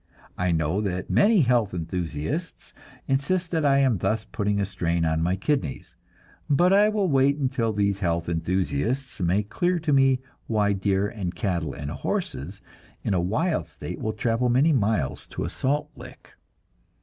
I know that many health enthusiasts insist that I am thus putting a strain on my kidneys, but I will wait until these health enthusiasts make clear to me why deer and cattle and horses in a wild state will travel many miles to a salt lick.